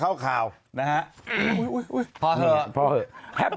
เอาเหรอ